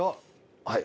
はい。